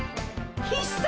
必殺！